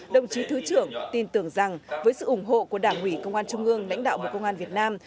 đồng chí thứ trưởng tin tưởng rằng với sự ủng hộ của đảng ủy công an trung ương lãnh đạo bộ công an việt nam